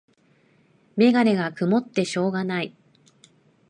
メガネがくもってしょうがない